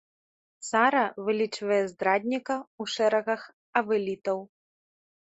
Сара вылічвае здрадніка ў шэрагах авелітаў.